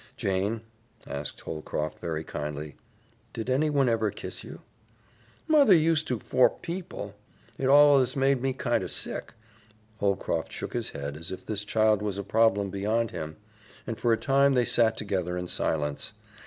"Jane," asked Holcroft very kindly, "did anyone ever kiss you?" "Mother used to 'fore people. It allus made me kinder sick." Holcroft shook his head as if this child was a problem beyond him, and for a time they sat together in silence.